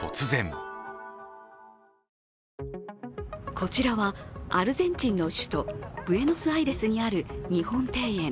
こちらはアルゼンチンの首都ブエノスアイレスにある日本庭園